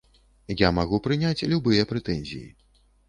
Я магу прыняць любыя прэтэнзіі.